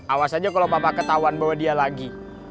awas aja kalo papa ketauan bawa dia lagi